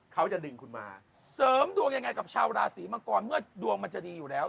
เขาจะดึงคุณมาเสริมดวงยังไงกับชาวราศีมังกรเมื่อดวงมันจะดีอยู่แล้ว